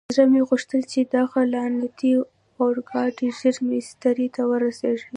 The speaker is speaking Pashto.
زړه مې غوښتل چې دغه لعنتي اورګاډی ژر مېسترې ته ورسېږي.